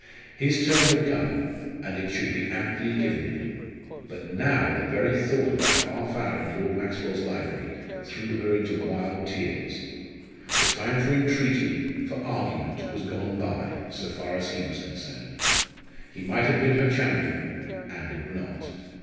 His turn would come, and it should be amply given him. But now the very thought of that half hour in Lord Maxwell's library threw her into wild tears. The time for entreaty for argument was gone by, so far as he was concerned. He might have been her champion, and would not.